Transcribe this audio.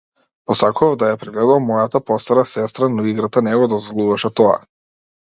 Посакував да ја прегледувам мојата постара сестра, но играта не го дозволуваше тоа.